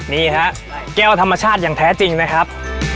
นี่ฮะแก้วธรรมชาติอย่างแท้จริงนะครับ